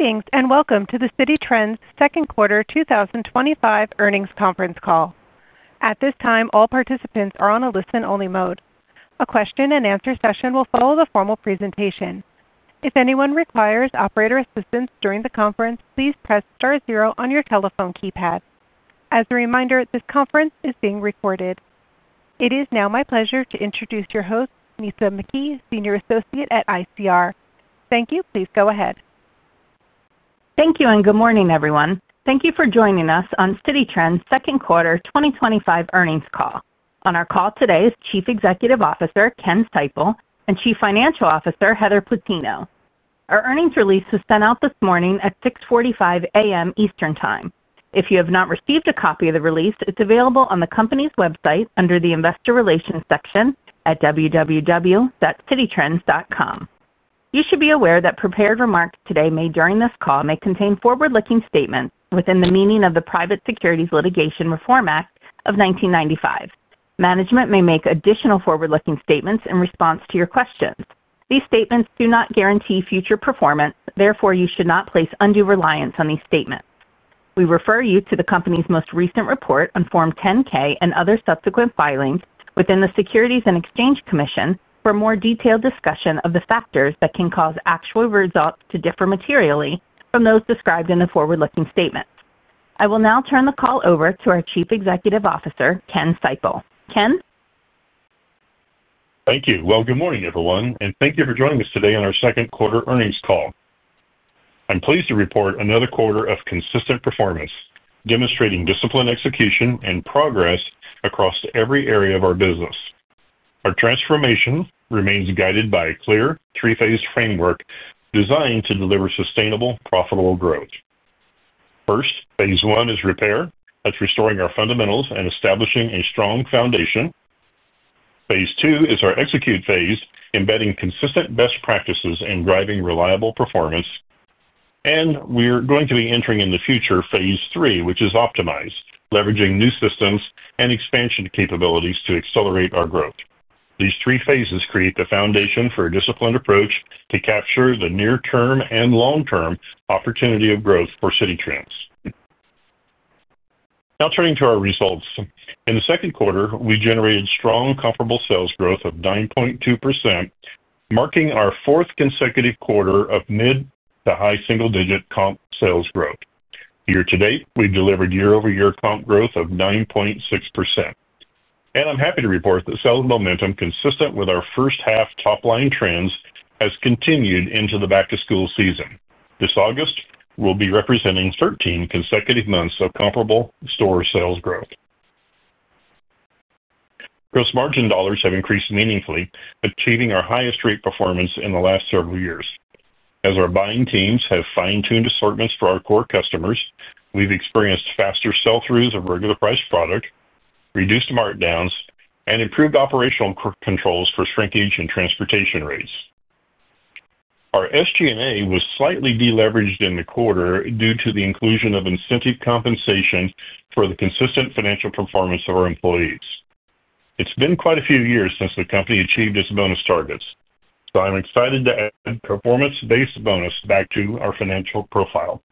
Greetings and welcome to the Citi Trends Second Quarter 2025 Earnings Conference Call. At this time, all participants are on a listen-only mode. A question and answer session will follow the formal presentation. If anyone requires operator assistance during the conference, please press *0 on your telephone keypad. As a reminder, this conference is being recorded. It is now my pleasure to introduce your host, Nitza McKee, Senior Associate at ICR. Thank you. Please go ahead. Thank you and good morning, everyone. Thank you for joining us on Citi Trends' Second Quarter 2025 Earnings Call. On our call today is Chief Executive Officer Ken Seipel and Chief Financial Officer Heather Plutino. Our earnings release was sent out this morning at 6:45 A.M. Eastern Time. If you have not received a copy of the release, it's available on the company's website under the Investor Relations section at www.cititrends.com. You should be aware that prepared remarks today made during this call may contain forward-looking statements within the meaning of the Private Securities Litigation Reform Act of 1995. Management may make additional forward-looking statements in response to your questions. These statements do not guarantee future performance, therefore, you should not place undue reliance on these statements. We refer you to the company's most recent report on Form 10-K and other subsequent filings with the Securities and Exchange Commission for a more detailed discussion of the factors that can cause actual results to differ materially from those described in the forward-looking statements. I will now turn the call over to our Chief Executive Officer, Ken Seipel. Ken. Thank you. Good morning, everyone, and thank you for joining us today on our second quarter earnings call. I'm pleased to report another quarter of consistent performance, demonstrating disciplined execution and progress across every area of our business. Our transformation remains guided by a clear three-phased framework designed to deliver sustainable, profitable growth. First, phase one is Repair. That's restoring our fundamentals and establishing a strong foundation. phase two is our Execute Phase, embedding consistent best practices and driving reliable performance. We are going to be entering in the future phase three, which is Optimize, leveraging new systems and expansion capabilities to accelerate our growth. These three phases create the foundation for a disciplined approach to capture the near-term and long-term opportunity of growth for Citi Trends. Now turning to our results. In the second quarter, we generated strong comparable sales growth of 9.2%, marking our fourth consecutive quarter of mid-to-high single-digit comp sales growth. Year to date, we've delivered year-over-year comp growth of 9.6%. I'm happy to report that sales momentum, consistent with our first half top-line trends, has continued into the back-to-school season. This August, we'll be representing 13 consecutive months of comparable store sales growth. Gross margin dollars have increased meaningfully, achieving our highest rate performance in the last several years. As our buying teams have fine-tuned assortments for our core customers, we've experienced faster sell-throughs of regular-priced product, reduced markdowns, and improved operational controls for shrinkage and transportation rates. Our SG&A was slightly deleveraged in the quarter due to the inclusion of incentive compensation for the consistent financial performance of our employees. It's been quite a few years since the company achieved its bonus targets, so I'm excited to add performance-based bonus back to our financial profile.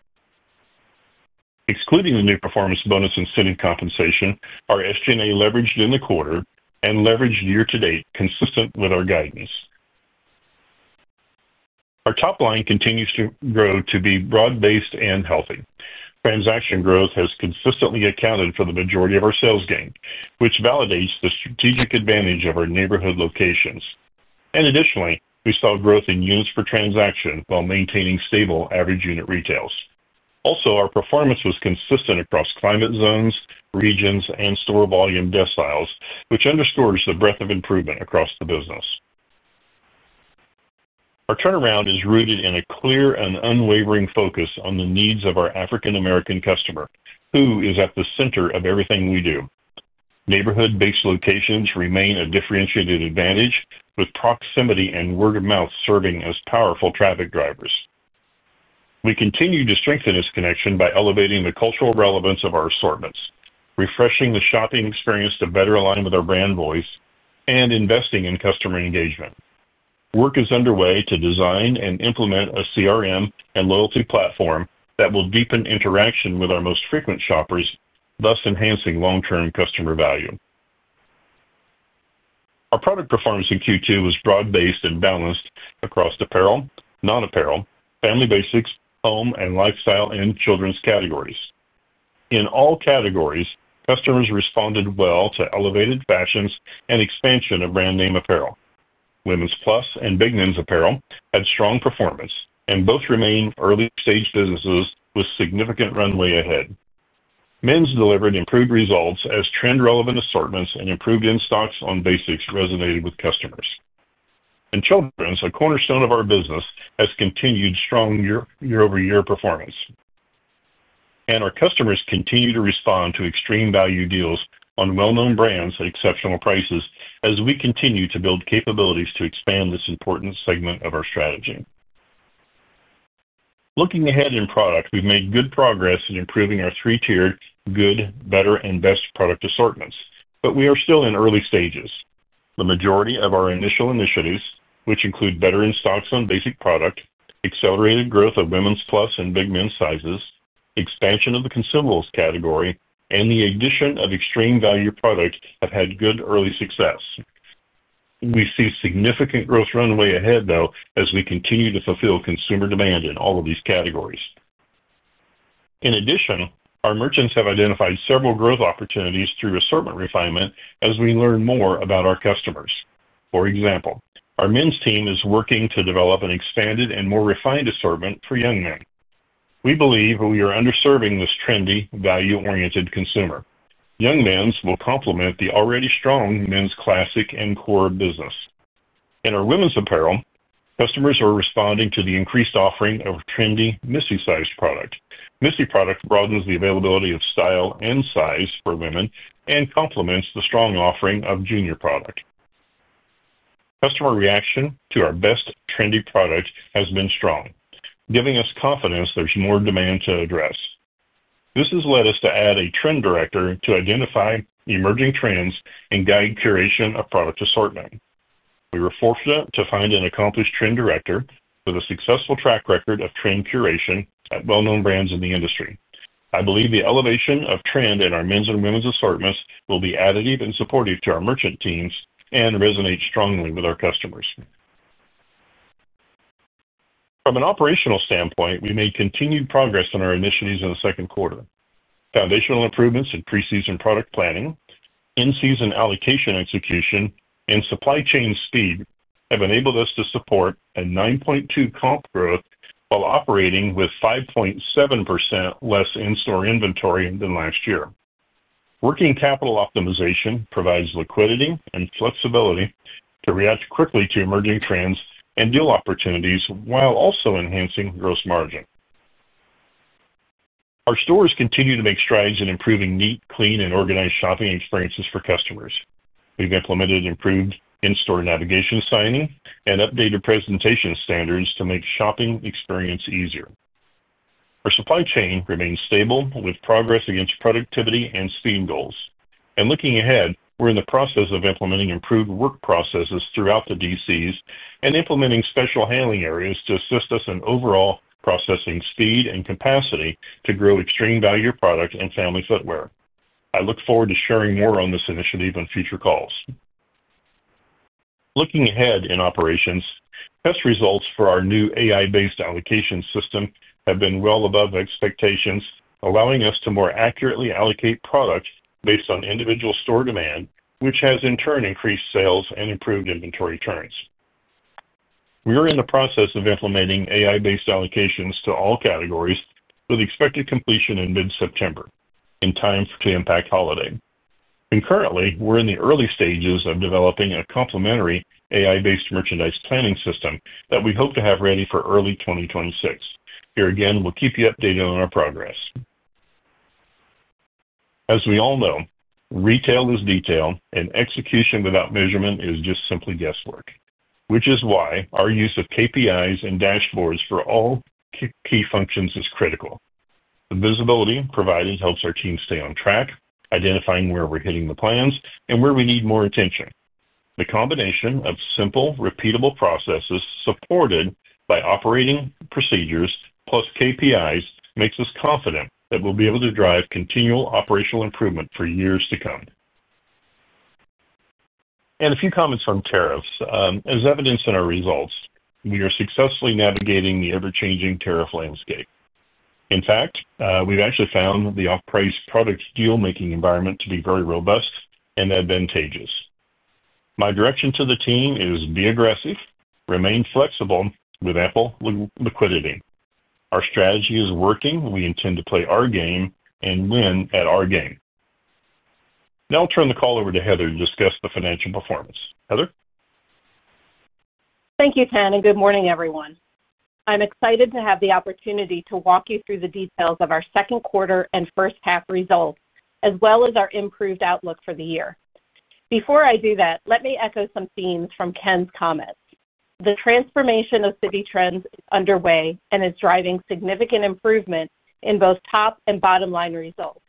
Excluding the new performance bonus incentive compensation, our SG&A leveraged in the quarter and leveraged year to date, consistent with our guidance. Our top line continues to grow to be broad-based and healthy. Transaction growth has consistently accounted for the majority of our sales gain, which validates the strategic advantage of our neighborhood locations. Additionally, we saw growth in units per transaction while maintaining stable average unit retails. Also, our performance was consistent across climate zones, regions, and store volume deciles, which underscores the breadth of improvement across the business. Our turnaround is rooted in a clear and unwavering focus on the needs of our African American customer, who is at the center of everything we do. Neighborhood-based locations remain a differentiated advantage, with proximity and word-of-mouth serving as powerful traffic drivers. We continue to strengthen this connection by elevating the cultural relevance of our assortments, refreshing the shopping experience to better align with our brand voice, and investing in customer engagement. Work is underway to design and implement a CRM and loyalty platform that will deepen interaction with our most frequent shoppers, thus enhancing long-term customer value. Our product performance in Q2 was broad-based and balanced across apparel, non-apparel, family basics, home, and lifestyle, and children's categories. In all categories, customers responded well to elevated fashions and expansion of brand-name apparel. Women's Plus and Big Men's apparel had strong performance, and both remained early-stage businesses with significant runway ahead. Men's delivered improved results as trend-relevant assortments and improved in stocks on basics resonated with customers. Children's, a cornerstone of our business, has continued strong year-over-year performance. Our customers continue to respond to extreme value deals on well-known brands at exceptional prices as we continue to build capabilities to expand this important segment of our strategy. Looking ahead in product, we've made good progress in improving our three-tiered Good, Better, and Best product assortments, but we are still in early stages. The majority of our initial initiatives, which include better in stocks on basic product, accelerated growth of Women's Plus and Big Men sizes, expansion of the consumables category, and the addition of extreme value product, have had good early success. We see significant growth runway ahead, though, as we continue to fulfill consumer demand in all of these categories. In addition, our merchants have identified several growth opportunities through assortment refinement as we learn more about our customers. For example, our men's team is working to develop an expanded and more refined assortment for young men. We believe we are underserving this trendy, value-oriented consumer. Young men's will complement the already strong men's classic and core business. In our women's apparel, customers are responding to the increased offering of trendy Missy-sized product. Missy product broadens the availability of style and size for women and complements the strong offering of junior product. Customer reaction to our best trendy product has been strong, giving us confidence there's more demand to address. This has led us to add a trend director to identify emerging trends and guide curation of product assortment. We were fortunate to find an accomplished trend director with a successful track record of trend curation at well-known brands in the industry. I believe the elevation of trend in our men's and women's assortments will be additive and supportive to our merchant teams and resonate strongly with our customers. From an operational standpoint, we made continued progress in our initiatives in the second quarter. Foundational improvements in pre-season product planning, in-season allocation execution, and supply chain speed have enabled us to support a 9.2% comp growth while operating with 5.7% less in-store inventory than last year. Working capital optimization provides liquidity and flexibility to react quickly to emerging trends and deal opportunities while also enhancing gross margin. Our stores continue to make strides in improving neat, clean, and organized shopping experiences for customers. We've implemented improved in-store navigation signing and updated presentation standards to make shopping experience easier. Our supply chain remains stable with progress against productivity and speed goals. Looking ahead, we're in the process of implementing improved work processes throughout the DCs and implementing special handling areas to assist us in overall processing speed and capacity to grow extreme value products and family footwear. I look forward to sharing more on this initiative in future calls. Looking ahead in operations, test results for our new AI-based allocation system have been well above expectations, allowing us to more accurately allocate product based on individual store demand, which has in turn increased sales and improved inventory turns. We are in the process of implementing AI-based allocations to all categories with expected completion in mid-September, in time to impact holiday. Concurrently, we're in the early stages of developing a complementary AI-based merchandise planning system that we hope to have ready for early 2026. Here again, we'll keep you updated on our progress. As we all know, retail is detail, and execution without measurement is just simply guesswork, which is why our use of KPIs and dashboards for all key functions is critical. The visibility provided helps our team stay on track, identifying where we're hitting the plans and where we need more attention. The combination of simple, repeatable processes supported by operating procedures plus KPIs makes us confident that we'll be able to drive continual operational improvement for years to come. A few comments from tariffs. As evidenced in our results, we are successfully navigating the ever-changing tariff landscape. In fact, we've actually found the off-price product deal-making environment to be very robust and advantageous. My direction to the team is be aggressive, remain flexible with ample liquidity. Our strategy is working. We intend to play our game and win at our game. Now I'll turn the call over to Heather to discuss the financial performance. Heather? Thank you, Ken, and good morning, everyone. I'm excited to have the opportunity to walk you through the details of our second quarter and first half results, as well as our improved outlook for the year. Before I do that, let me echo some themes from Ken's comments. The transformation of Citi Trends is underway and is driving significant improvement in both top and bottom line results.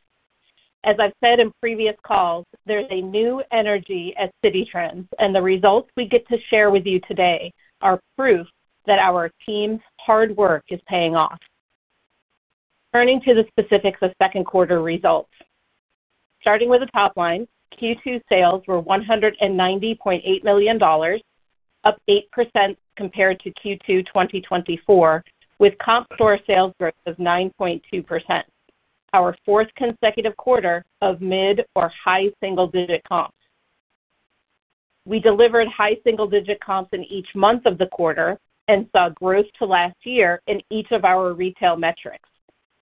As I've said in previous calls, there's a new energy at Citi Trends, and the results we get to share with you today are proof that our team's hard work is paying off. Turning to the specifics of second quarter results. Starting with the top line, Q2 sales were $190.8 million, up 8% compared to Q2 2024, with comp store sales growth of 9.2%. Our fourth consecutive quarter of mid or high single-digit comps. We delivered high single-digit comps in each month of the quarter and saw growth to last year in each of our retail metrics.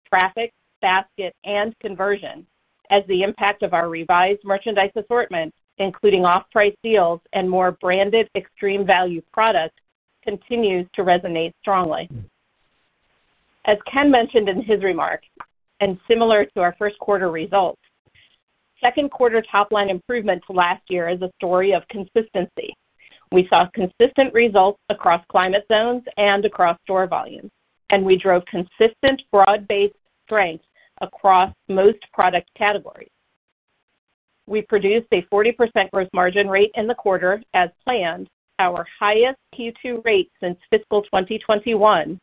Traffic, basket, and conversion, as the impact of our revised merchandise assortment, including off-price deals and more branded extreme value product, continues to resonate strongly. As Ken mentioned in his remarks, and similar to our first quarter results, second quarter top line improvement to last year is a story of consistency. We saw consistent results across climate zones and across store volume, and we drove consistent broad-based strength across most product categories. We produced a 40% gross margin rate in the quarter as planned, our highest Q2 rate since fiscal 2021,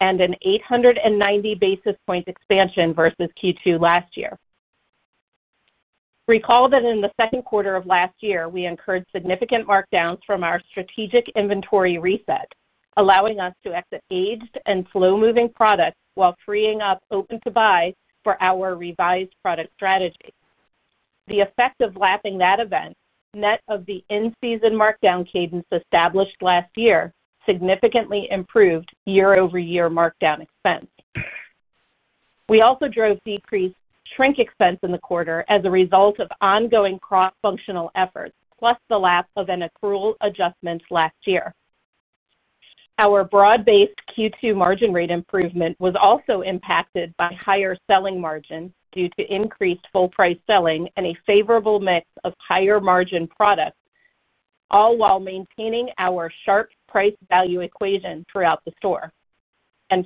and an 890 basis point expansion versus Q2 last year. Recall that in the second quarter of last year, we incurred significant markdowns from our strategic inventory reset, allowing us to exit aged and slow-moving products while freeing up open to buy for our revised product strategy. The effect of lapping that event, net of the in-season markdown cadence established last year, significantly improved year-over-year markdown expense. We also drove decreased shrink expense in the quarter as a result of ongoing cross-functional efforts, plus the lap of an accrual adjustment last year. Our broad-based Q2 margin rate improvement was also impacted by higher selling margin due to increased full-price selling and a favorable mix of higher margin products, all while maintaining our sharp price-value equation throughout the store.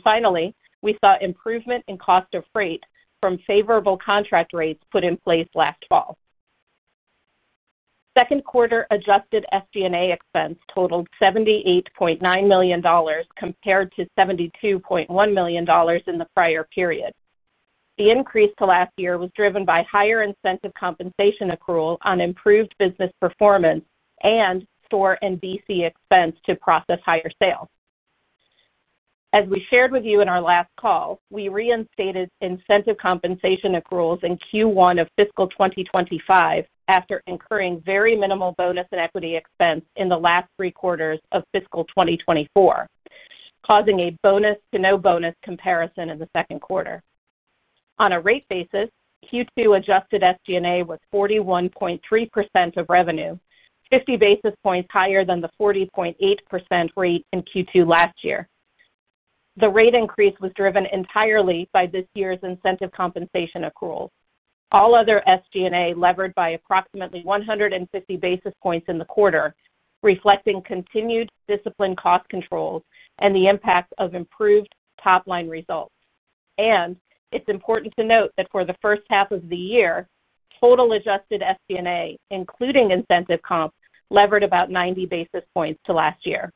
Finally, we saw improvement in cost of freight from favorable contract rates put in place last fall. Second quarter adjusted SG&A expense totaled $78.9 million compared to $72.1 million in the prior period. The increase to last year was driven by higher incentive compensation accrual on improved business performance and store and DC expense to process higher sales. As we shared with you in our last call, we reinstated incentive compensation accruals in Q1 of fiscal 2025 after incurring very minimal bonus and equity expense in the last three quarters of fiscal 2024, causing a bonus-to-no bonus comparison in the second quarter. On a rate basis, Q2 adjusted SG&A was 41.3% of revenue, 50 basis points higher than the 40.8% rate in Q2 last year. The rate increase was driven entirely by this year's incentive compensation accruals. All other SG&A levered by approximately 150 basis points in the quarter, reflecting continued disciplined cost controls and the impact of improved top line results. It is important to note that for the first half of the year, total adjusted SG&A, including incentive comps, levered about 90 basis points to last year.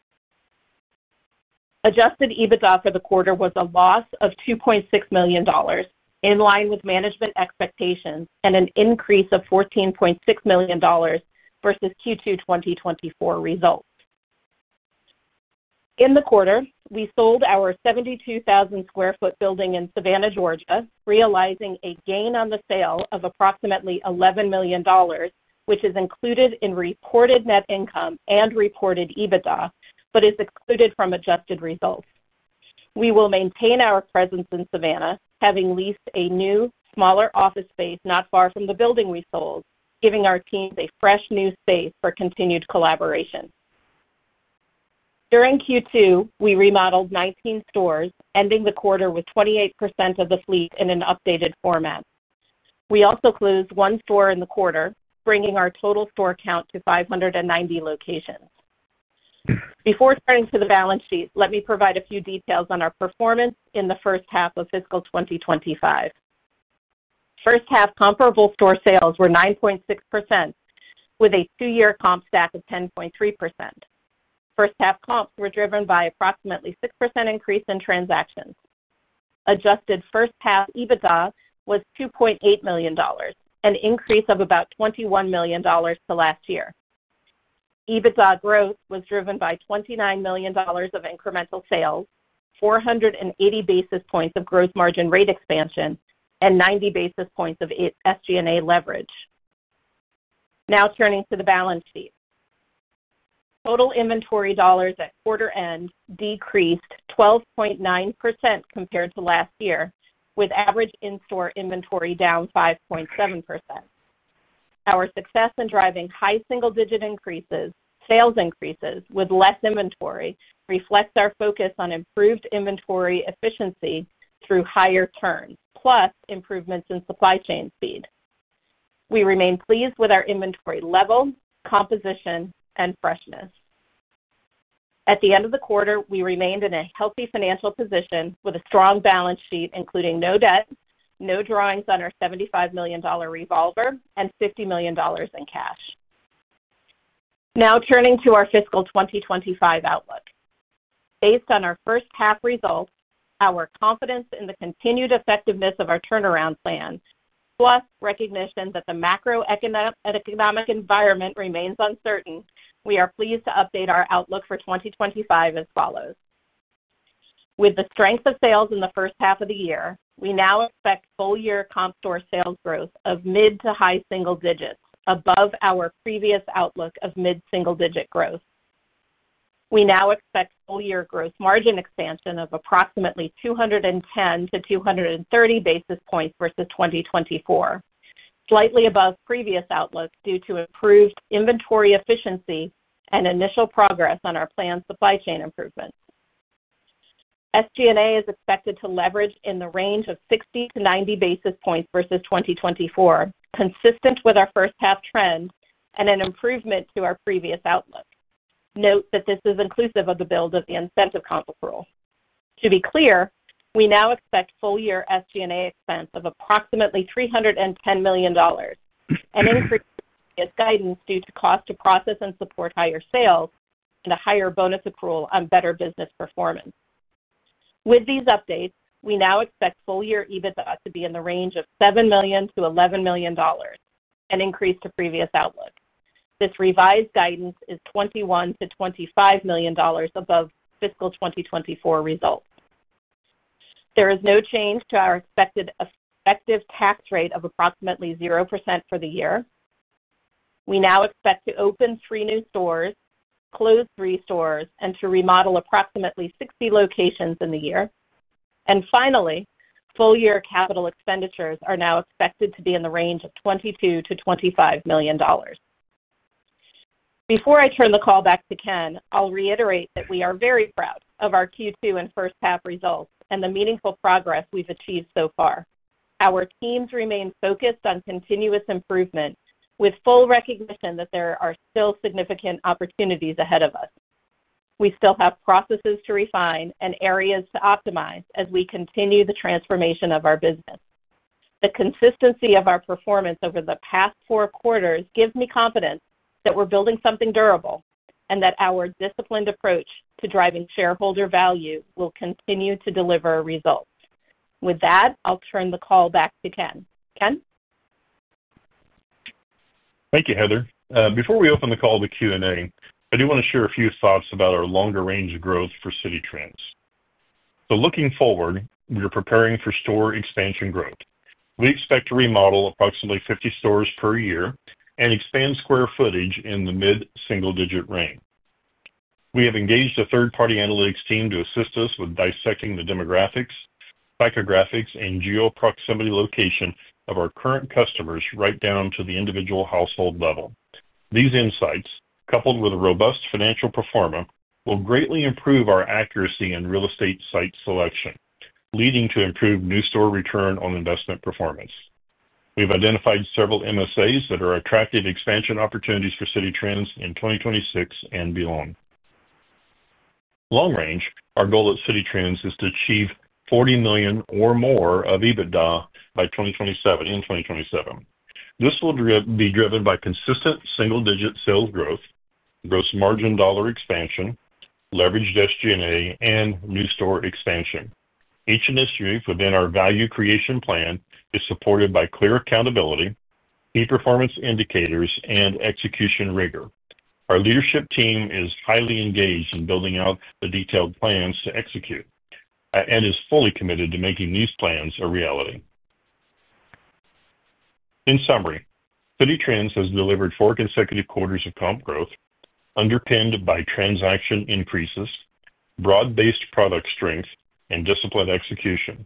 Adjusted EBITDA for the quarter was a loss of $2.6 million, in line with management expectations, and an increase of $14.6 million versus Q2 2024 results. In the quarter, we sold our 72,000 sq ft building in Savannah, Georgia, realizing a gain on the sale of approximately $11 million, which is included in reported net income and reported EBITDA, but is excluded from adjusted results. We will maintain our presence in Savannah, having leased a new, smaller office space not far from the building we sold, giving our teams a fresh new space for continued collaboration. During Q2, we remodeled 19 stores, ending the quarter with 28% of the fleet in an updated format. We also closed one store in the quarter, bringing our total store count to 590 locations. Before turning to the balance sheet, let me provide a few details on our performance in the first half of fiscal 2025. First half comparable store sales were 9.6%, with a two-year comp stack of 10.3%. First half comps were driven by approximately a 6% increase in transactions. Adjusted first half EBITDA was $2.8 million, an increase of about $21 million to last year. EBITDA growth was driven by $29 million of incremental sales, 480 basis points of gross margin rate expansion, and 90 basis points of SG&A leverage. Now turning to the balance sheet. Total inventory dollars at quarter end decreased 12.9% compared to last year, with average in-store inventory down 5.7%. Our success in driving high single-digit increases, sales increases with less inventory reflects our focus on improved inventory efficiency through higher turns, plus improvements in supply chain speed. We remain pleased with our inventory level, composition, and freshness. At the end of the quarter, we remained in a healthy financial position with a strong balance sheet, including no debt, no drawings on our $75 million revolver, and $50 million in cash. Now turning to our fiscal 2025 outlook. Based on our first half results, our confidence in the continued effectiveness of our turnaround plan, plus recognition that the macroeconomic environment remains uncertain, we are pleased to update our outlook for 2025 as follows. With the strength of sales in the first half of the year, we now expect full-year comp store sales growth of mid to high single digits, above our previous outlook of mid-single-digit growth. We now expect full-year gross margin expansion of approximately 210 to 230 basis points versus 2024, slightly above previous outlook due to improved inventory efficiency and initial progress on our planned supply chain improvement. SG&A is expected to leverage in the range of 60-90 basis points versus 2024, consistent with our first half trend and an improvement to our previous outlook. Note that this is inclusive of the build of the incentive comp accrual. To be clear, we now expect full-year SG&A expense of approximately $310 million, an increase in previous guidance due to cost to process and support higher sales and a higher bonus accrual on better business performance. With these updates, we now expect full-year EBITDA to be in the range of $7 million-$11 million, an increase to previous outlook. This revised guidance is $21 million-$25 million above fiscal 2024 results. There is no change to our expected effective tax rate of approximately 0% for the year. We now expect to open three new stores, close three stores, and to remodel approximately 60 locations in the year. Finally, full-year capital expenditures are now expected to be in the range of $22 million-$25 million. Before I turn the call back to Ken, I'll reiterate that we are very proud of our Q2 and first half results and the meaningful progress we've achieved so far. Our teams remain focused on continuous improvement, with full recognition that there are still significant opportunities ahead of us. We still have processes to refine and areas to optimize as we continue the transformation of our business. The consistency of our performance over the past four quarters gives me confidence that we're building something durable and that our disciplined approach to driving shareholder value will continue to deliver results. With that, I'll turn the call back to Ken. Ken? Thank you, Heather. Before we open the call to Q&A, I do want to share a few thoughts about our longer-range growth for Citi Trends. Looking forward, we are preparing for store expansion growth. We expect to remodel approximately 50 stores per year and expand square footage in the mid-single-digit range. We have engaged a third-party analytics team to assist us with dissecting the demographics, psychographics, and geo-proximity location of our current customers right down to the individual household level. These insights, coupled with a robust financial performer, will greatly improve our accuracy in real estate site selection, leading to improved new store return on investment performance. We have identified several MSAs that are attractive expansion opportunities for Citi Trends in 2026 and beyond. Long-range, our goal at Citi Trends is to achieve $40 million or more of EBITDA by 2027. This will be driven by consistent single-digit sales growth, gross margin dollar expansion, leveraged SG&A, and new store expansion. Each initiative within our value creation plan is supported by clear accountability, key performance indicators, and execution rigor. Our leadership team is highly engaged in building out the detailed plans to execute and is fully committed to making these plans a reality. In summary, Citi Trends has delivered four consecutive quarters of comp growth underpinned by transaction increases, broad-based product strength, and disciplined execution.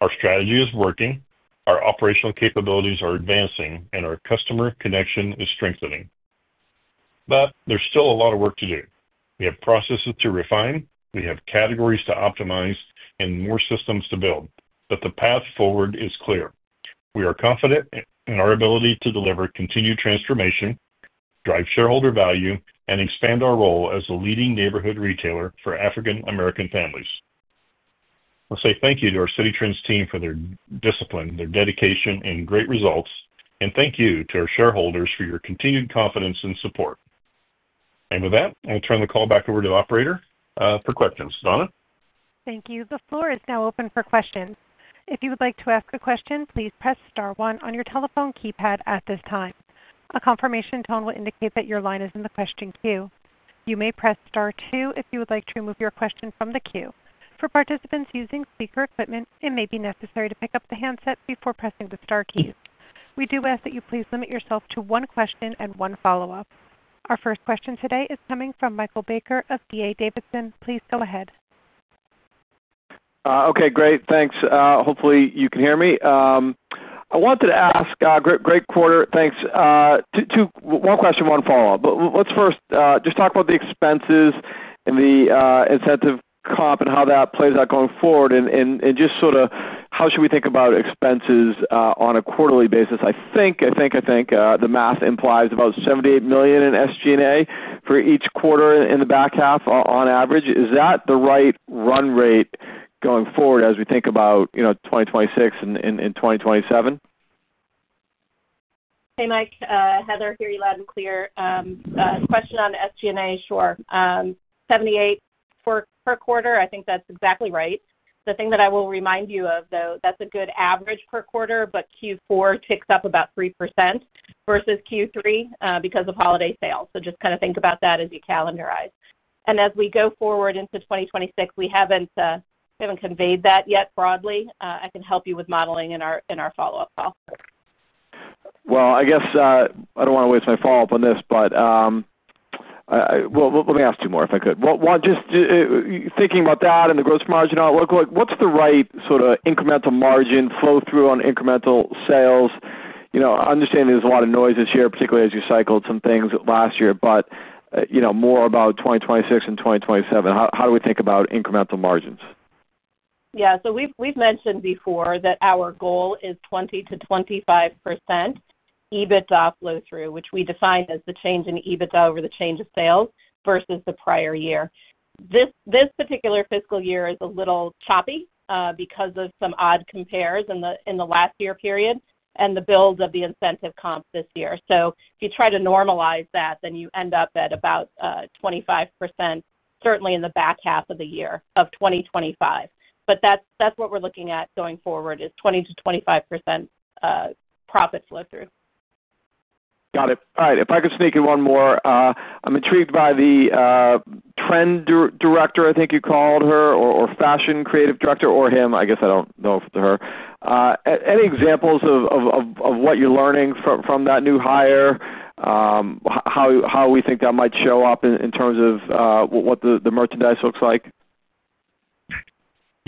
Our strategy is working, our operational capabilities are advancing, and our customer connection is strengthening. There is still a lot of work to do. We have processes to refine, we have categories to optimize, and more systems to build, but the path forward is clear. We are confident in our ability to deliver continued transformation, drive shareholder value, and expand our role as the leading neighborhood retailer for African American families. I will say thank you to our Citi Trends team for their discipline, their dedication, and great results, and thank you to our shareholders for your continued confidence and support. With that, I turn the call back over to the operator for questions. Donna? Thank you. The floor is now open for questions. If you would like to ask a question, please press *1 on your telephone keypad at this time. A confirmation tone will indicate that your line is in the question queue. You may press *2 if you would like to remove your question from the queue. For participants using speaker equipment, it may be necessary to pick up the handset before pressing the * key. We do ask that you please limit yourself to one question and one follow-up. Our first question today is coming from Michael Baker of D.A. Davidson. Please go ahead. Okay, great. Thanks. Hopefully, you can hear me. I wanted to ask, great quarter. Thanks. One question, one follow-up. Let's first just talk about the expenses and the incentive comp and how that plays out going forward and just sort of how should we think about expenses on a quarterly basis. I think the math implies about $78 million in SG&A for each quarter in the back half on average. Is that the right run rate going forward as we think about, you know, 2026 and 2027? Hey, Mike. Heather, hear you loud and clear. Question on SG&A, sure. $78 million per quarter, I think that's exactly right. The thing that I will remind you of, though, that's a good average per quarter, but Q4 ticks up about 3% versus Q3 because of holiday sales. Just kind of think about that as you calendarize. As we go forward into 2026, we haven't conveyed that yet broadly. I can help you with modeling in our follow-up call. I guess I don't want to waste my follow-up on this, but let me ask you more if I could. Just thinking about that and the gross margin outlook, what's the right sort of incremental margin flow-through on incremental sales? I understand there's a lot of noise this year, particularly as you cycled some things last year, but more about 2026 and 2027. How do we think about incremental margins? Yeah, we've mentioned before that our goal is 20%-25% EBITDA flow-through, which we define as the change in EBITDA over the change of sales versus the prior year. This particular fiscal year is a little choppy because of some odd compares in the last year period and the build of the incentive comps this year. If you try to normalize that, you end up at about 25%, certainly in the back half of the year of 2025. That's what we're looking at going forward is 20%-25% profit flow-through. Got it. All right. If I could sneak in one more, I'm intrigued by the trend director, I think you called her, or fashion creative director, or him, I guess I don't know if it's her. Any examples of what you're learning from that new hire? How we think that might show up in terms of what the merchandise looks like?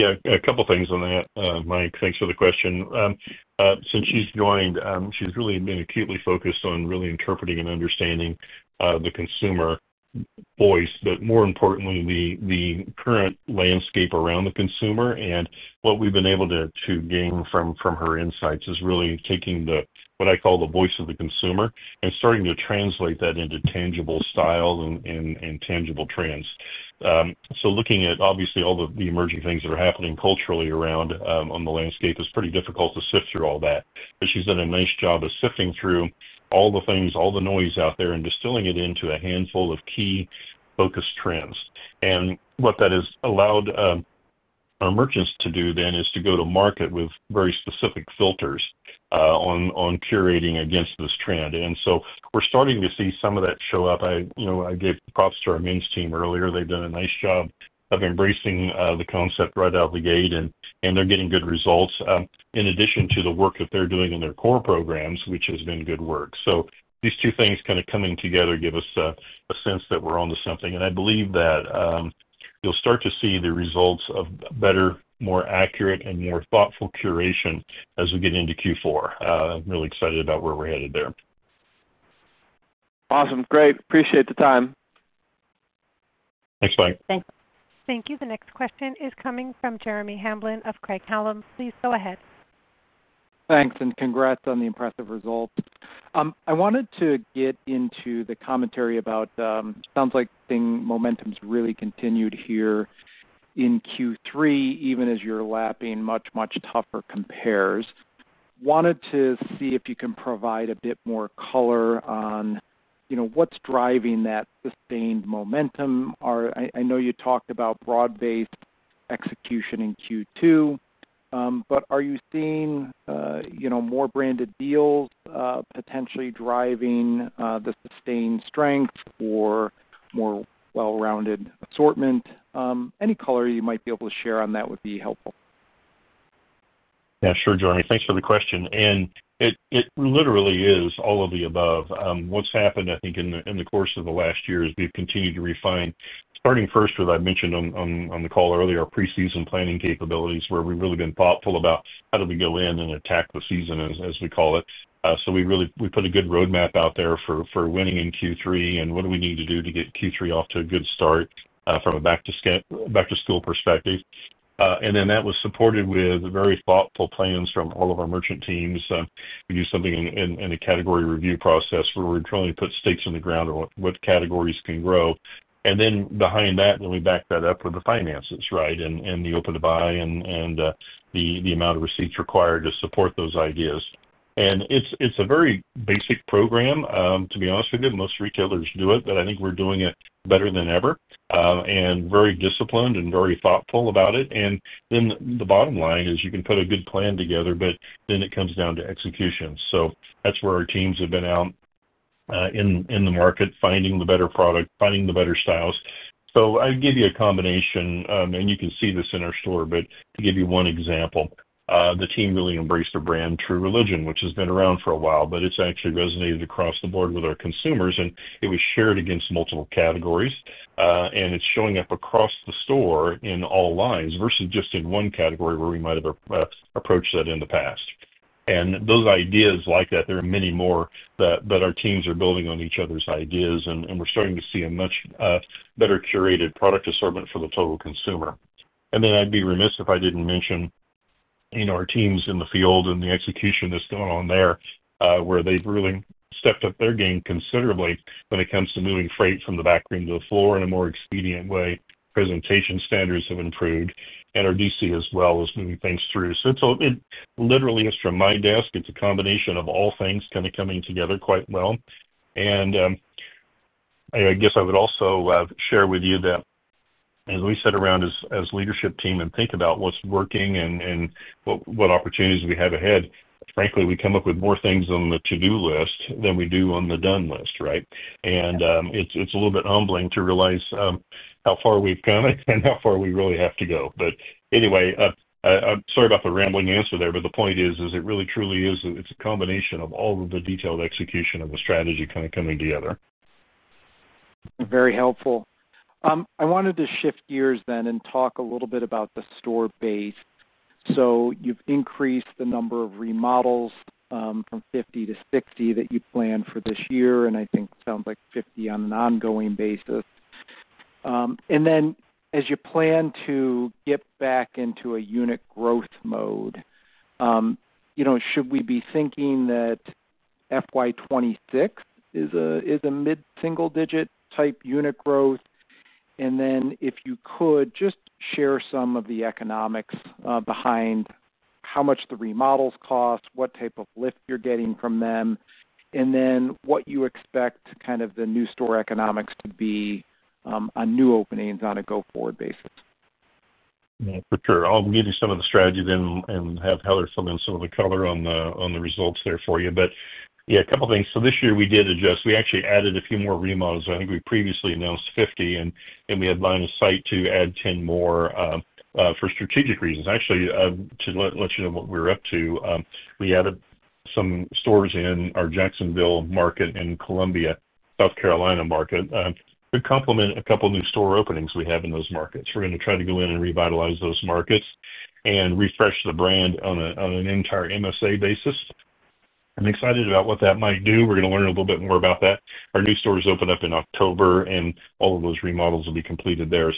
Yeah, a couple of things on that. Mike, thanks for the question. Since she's joined, she's really been acutely focused on really interpreting and understanding the consumer voice, but more importantly, the current landscape around the consumer. What we've been able to gain from her insights is really taking what I call the voice of the consumer and starting to translate that into tangible style and tangible trends. Looking at obviously all the emerging things that are happening culturally around on the landscape, it's pretty difficult to sift through all that. She's done a nice job of sifting through all the things, all the noise out there, and distilling it into a handful of key focus trends. What that has allowed our merchants to do then is to go to market with very specific filters on curating against this trend. We're starting to see some of that show up. I gave props to our men's team earlier. They've done a nice job of embracing the concept right out of the gate, and they're getting good results, in addition to the work that they're doing in their core programs, which has been good work. These two things kind of coming together give us a sense that we're onto something. I believe that you'll start to see the results of better, more accurate, and more thoughtful curation as we get into Q4. I'm really excited about where we're headed there. Awesome. Great. Appreciate the time. Thanks, Mike. Thank you. Thank you. The next question is coming from Jeremy Hamblin of Craig-Hallum. Please go ahead. Thanks, and congrats on the impressive result. I wanted to get into the commentary about, it sounds like the momentum's really continued here in Q3, even as you're lapping much, much tougher compares. I wanted to see if you can provide a bit more color on what's driving that sustained momentum. I know you talked about broad-based execution in Q2, but are you seeing more branded deals potentially driving the sustained strength or more well-rounded assortment? Any color you might be able to share on that would be helpful. Yeah, sure, Jeremy. Thanks for the question. It literally is all of the above. What's happened, I think, in the course of the last year is we've continued to refine, starting first with, I mentioned on the call earlier, our pre-season planning capabilities where we've really been thoughtful about how do we go in and attack the season, as we call it. We really put a good roadmap out there for winning in Q3 and what do we need to do to get Q3 off to a good start from a back-to-school perspective. That was supported with very thoughtful plans from all of our merchant teams. We do something in the category review process where we're trying to put stakes in the ground on what categories can grow. Behind that, we back that up with the finances, right? The open to buy and the amount of receipts required to support those ideas. It's a very basic program, to be honest with you. Most retailers do it, but I think we're doing it better than ever. Very disciplined and very thoughtful about it. The bottom line is you can put a good plan together, but it comes down to execution. That's where our teams have been out in the market, finding the better product, finding the better styles. I'd give you a combination, and you can see this in our store, but to give you one example, the team really embraced a brand, True Religion, which has been around for a while, but it's actually resonated across the board with our consumers, and it was shared against multiple categories. It's showing up across the store in all lines versus just in one category where we might have approached that in the past. Those ideas like that, there are many more that our teams are building on each other's ideas, and we're starting to see a much better curated product assortment for the total consumer. I'd be remiss if I didn't mention our teams in the field and the execution that's going on there, where they've really stepped up their game considerably when it comes to moving freight from the back room to the floor in a more expedient way. Presentation standards have improved, and our DC as well is moving things through. It literally is from my desk. It's a combination of all things kind of coming together quite well. I would also share with you that as we sit around as a leadership team and think about what's working and what opportunities we have ahead, frankly, we come up with more things on the to-do list than we do on the done list, right? It's a little bit humbling to realize how far we've come and how far we really have to go. I'm sorry about the rambling answer there, but the point is, it really truly is a combination of all of the detailed execution of the strategy kind of coming together. Very helpful. I wanted to shift gears then and talk a little bit about the store base. You've increased the number of remodels from 50 to 60 that you plan for this year, and I think it sounds like 50 on an ongoing basis. As you plan to get back into a unit growth mode, should we be thinking that FY 2026 is a mid-single-digit type unit growth? If you could just share some of the economics behind how much the remodels cost, what type of lift you're getting from them, and what you expect kind of the new store economics to be on new openings on a go-forward basis. Yeah, for sure. I'll give you some of the strategy then and have Heather fill in some of the color on the results there for you. A couple of things. This year we did adjust. We actually added a few more remodels. I think we previously announced 50, and we had line of sight to add 10 more for strategic reasons. To let you know what we're up to, we added some stores in our Jacksonville market and Columbia, South Carolina market to complement a couple of new store openings we have in those markets. We're going to try to go in and revitalize those markets and refresh the brand on an entire MSA basis. I'm excited about what that might do. We're going to learn a little bit more about that. Our new store is opened up in October, and all of those remodels will be completed there.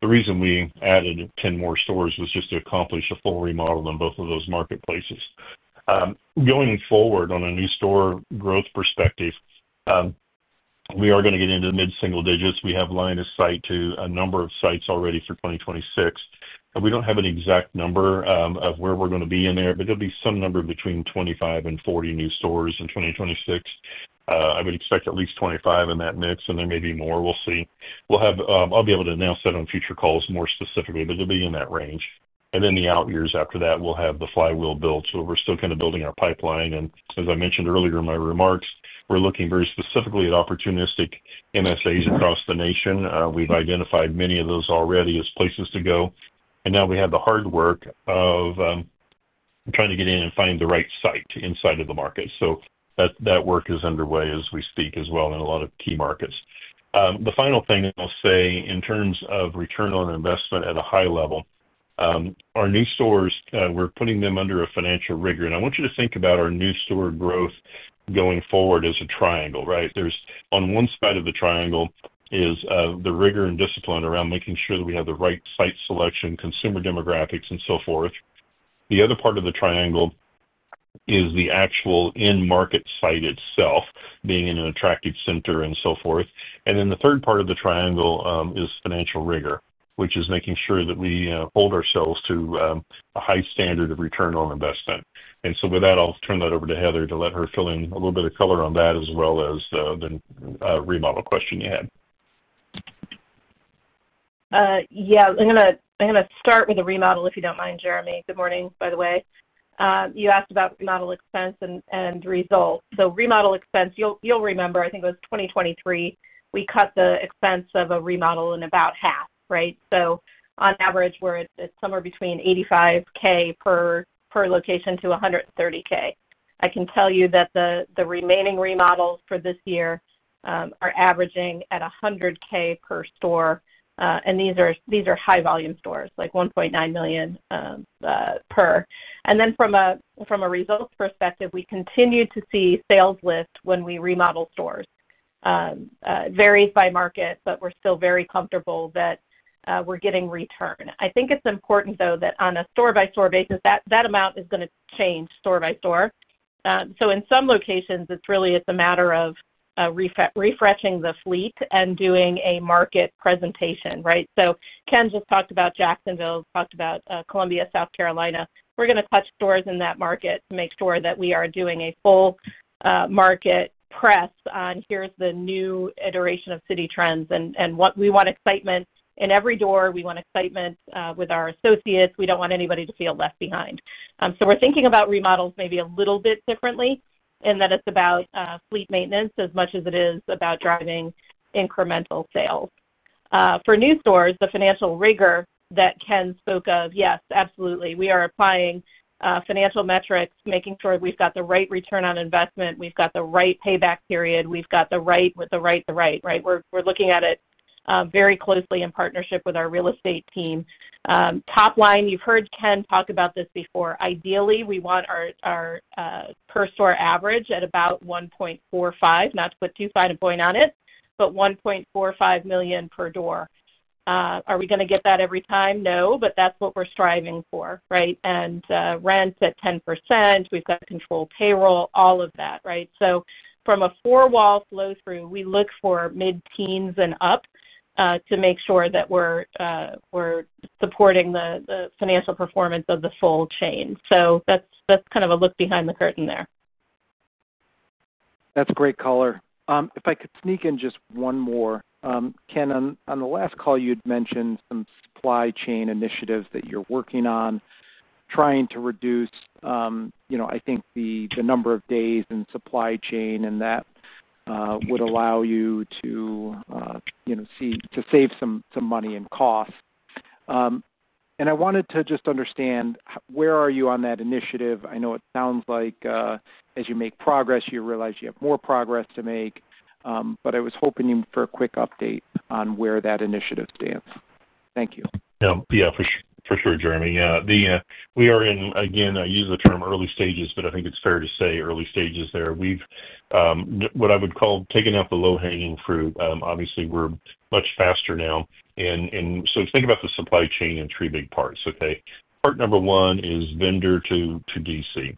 The reason we added 10 more stores was just to accomplish a full remodel in both of those marketplaces. Going forward on a new store growth perspective, we are going to get into the mid-single digits. We have line of sight to a number of sites already for 2026. We don't have an exact number of where we're going to be in there, but there'll be some number between 25 and 40 new stores in 2026. I would expect at least 25 in that mix, and there may be more. We'll see. I'll be able to announce that on future calls more specifically, but it'll be in that range. In the out years after that, we'll have the flywheel build. We're still kind of building our pipeline. As I mentioned earlier in my remarks, we're looking very specifically at opportunistic MSAs across the nation. We've identified many of those already as places to go. Now we have the hard work of trying to get in and find the right site inside of the market. That work is underway as we speak as well in a lot of key markets. The final thing that I'll say in terms of return on investment at a high level, our new stores, we're putting them under a financial rigor. I want you to think about our new store growth going forward as a triangle, right? On one side of the triangle is the rigor and discipline around making sure that we have the right site selection, consumer demographics, and so forth. The other part of the triangle is the actual in-market site itself, being in an attractive center and so forth. The third part of the triangle is financial rigor, which is making sure that we hold ourselves to a high standard of return on investment. With that, I'll turn that over to Heather to let her fill in a little bit of color on that as well as the remodel question you had. Yeah, I'm going to start with the remodel if you don't mind, Jeremy. Good morning, by the way. You asked about remodel expense and result. The remodel expense, you'll remember, I think it was 2023, we cut the expense of a remodel in about half, right? On average, we're at somewhere between $85,000 per location to $130,000. I can tell you that the remaining remodels for this year are averaging at $100,000 per store. These are high-volume stores, like $1.9 million per. From a results perspective, we continue to see sales lift when we remodel stores. It varies by market, but we're still very comfortable that we're getting return. I think it's important, though, that on a store-by-store basis, that amount is going to change store by store. In some locations, it's really a matter of refreshing the fleet and doing a market presentation, right? Ken just talked about Jacksonville, talked about Columbia, South Carolina. We're going to touch stores in that market to make sure that we are doing a full market press on here's the new iteration of Citi Trends. We want excitement in every door. We want excitement with our associates. We don't want anybody to feel left behind. We're thinking about remodels maybe a little bit differently in that it's about fleet maintenance as much as it is about driving incremental sales. For new stores, the financial rigor that Ken spoke of, yes, absolutely. We are applying financial metrics, making sure we've got the right return on investment, we've got the right payback period, we've got the right, with the right, the right, right? We're looking at it very closely in partnership with our real estate team. Top line, you've heard Ken talk about this before. Ideally, we want our per-store average at about $1.45 million, not to put too fine a point on it, but $1.45 million per door. Are we going to get that every time? No, but that's what we're striving for, right? Rent's at 10%, we've got to control payroll, all of that, right? From a four-wall flow-through, we look for mid-teens and up to make sure that we're supporting the financial performance of the full chain. That's kind of a look behind the curtain there. That's great color. If I could sneak in just one more, Ken, on the last call, you had mentioned some supply chain initiatives that you're working on, trying to reduce, you know, I think the number of days in supply chain and that would allow you to, you know, save some money in cost. I wanted to just understand where are you on that initiative? I know it sounds like as you make progress, you realize you have more progress to make. I was hoping for a quick update on where that initiative stands. Thank you. Yeah, for sure, Jeremy. We are in, again, I use the term early stages, but I think it's fair to say early stages there. We've, what I would call, taken out the low-hanging fruit. Obviously, we're much faster now. Think about the supply chain in three big parts, okay? Part number one is vendor to DC.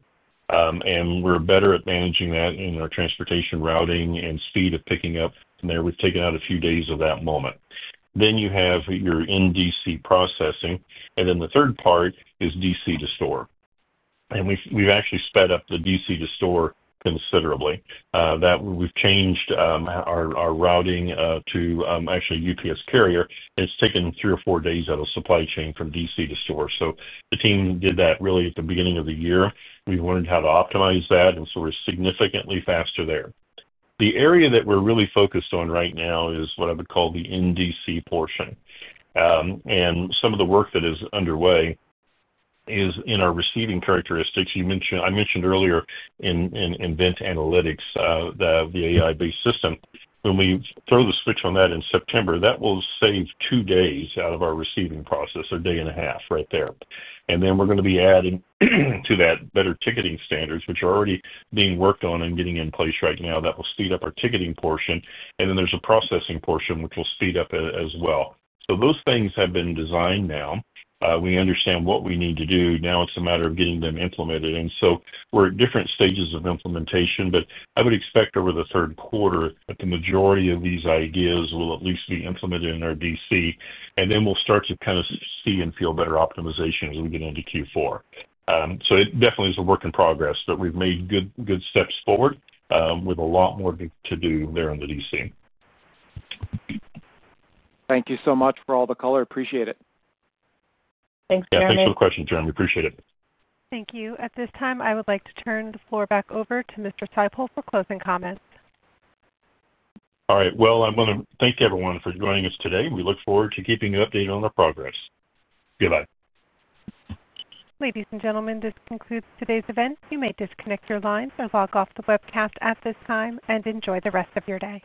We're better at managing that in our transportation routing and speed of picking up there. We've taken out a few days of that moment. Then you have your in-DC processing. The third part is DC to store. We've actually sped up the DC to store considerably. We've changed our routing to actually a UPS carrier. It's taken three or four days out of supply chain from DC to store. The team did that really at the beginning of the year. We've learned how to optimize that, and we're significantly faster there. The area that we're really focused on right now is what I would call the in-DC portion. Some of the work that is underway is in our receiving characteristics. You mentioned, I mentioned earlier in event analytics, the AI-based system. When we throw the switch on that in September, that will save two days out of our receiving process, or a day and a half right there. We're going to be adding to that better ticketing standards, which are already being worked on and getting in place right now. That will speed up our ticketing portion. There's a processing portion, which will speed up as well. Those things have been designed now. We understand what we need to do. Now it's a matter of getting them implemented. We're at different stages of implementation, but I would expect over the third quarter that the majority of these ideas will at least be implemented in our DC. We'll start to kind of see and feel better optimization as we get into Q4. It definitely is a work in progress, but we've made good steps forward with a lot more to do there in the DC. Thank you so much for all the color. Appreciate it. Thanks, Jeremy. Thanks for the question, Jeremy. Appreciate it. Thank you. At this time, I would like to turn the floor back over to Mr. Seipel for closing comments. All right. I want to thank everyone for joining us today. We look forward to keeping you updated on our progress. Good bye. Ladies and gentlemen, this concludes today's event. You may disconnect your lines and log off the webcast at this time, and enjoy the rest of your day.